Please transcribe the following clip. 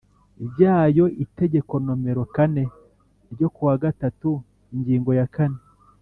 byayo Itegeko nomero kane ryo ku wa gatatu Ingingo ya kane